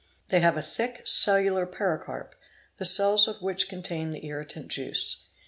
They have a thick cellular pericarp, the cells of which con tain the irritant juice.